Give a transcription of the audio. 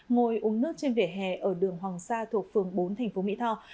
ngồi uống nước trên vỉa hè ở đường hoàng sa thuộc phường bốn thành phố mỹ tho